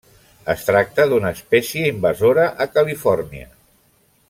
Es tracta d'una espècie invasora a Califòrnia.